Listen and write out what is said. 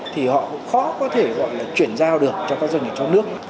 thì họ cũng khó có thể gọi là chuyển giao được cho các doanh nghiệp trong nước